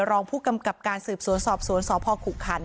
รองผู้กำกับการสืบสวนสอบสวนสพขุขัน